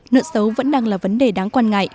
nợ xấu vẫn đang là vấn đề đáng quan ngại